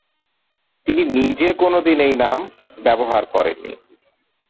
তিনি নিজে কোনদিন এই নাম ব্যবহার করেননি।